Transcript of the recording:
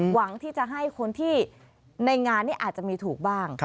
หวังที่จะให้คนที่ในงานนี้อาจจะมีถูกบ้าง